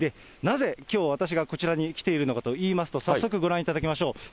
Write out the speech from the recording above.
なぜきょう、私がこちらに来ているのかといいますと、早速ご覧いただきましょう。